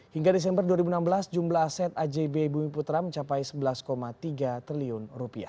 hingga desember dua ribu enam belas jumlah aset ajb bumi putra mencapai rp sebelas tiga triliun